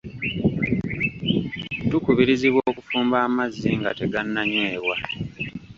Tukubirizibwa okufumba amazzi nga tegannanyweebwa.